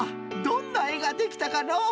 どんなえができたかのう？